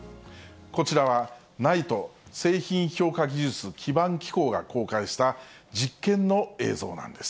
こちらはＮＩＴＥ・製品評価技術基盤機構が公開した実験の映像なんです。